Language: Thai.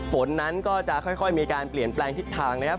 ฝนนั้นก็จะค่อยมีการเปลี่ยนแปลงทิศทางนะครับ